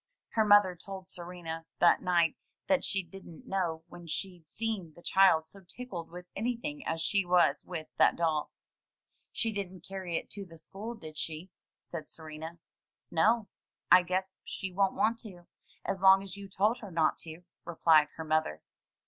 Her mother told Serena that night that she didn't know when she'd seen the child so tickled with anything as she was with that doll. "She didn't carry it to the school, did she?" said Serena. "No. I guess she won't want to, as long as you told her not to," replied her mother.